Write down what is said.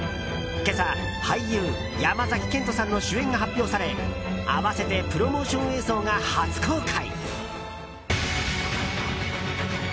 今朝、俳優・山崎賢人さんの主演が発表され併せてプロモーション映像が初公開。